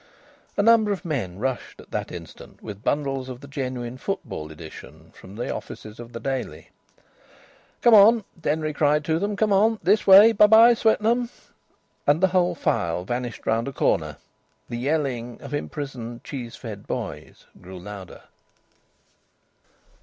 A number of men rushed at that instant with bundles of the genuine football edition from the offices of the Daily. "Come on!" Denry cried to them. "Come on! This way! By by, Swetnam." And the whole file vanished round a corner. The yelling of imprisoned cheese fed boys grew louder.